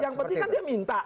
yang penting kan dia minta